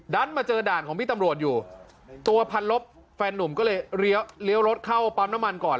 มาเจอด่านของพี่ตำรวจอยู่ตัวพันลบแฟนนุ่มก็เลยเลี้ยวรถเข้าปั๊มน้ำมันก่อน